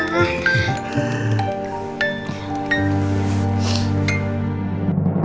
bawa dia ke rumah